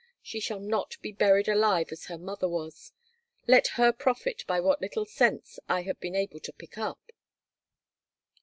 She shall not be buried alive as her mother was. Let her profit by what little sense I have been able to pick up."